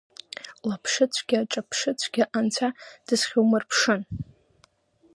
Лаԥшыцәгьа-ҿаԥшыцәгьа анцәа ду дысхьумырԥшын!